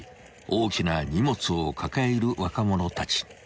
大きな荷物を抱える若者たち］